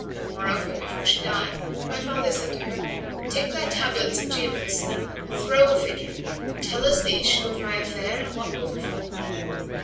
Moreover, before she died, my father said to her, 'Take thy tablets of geomancy and throw a figure, and tell us the issue of my affair and what will befal me.'